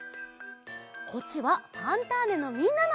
こっちは「ファンターネ！」のみんなのえ。